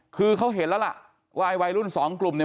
คือเขาเห็นแล้วล่ะว่าไอ้วัยรุ่นสองกลุ่มเนี่ย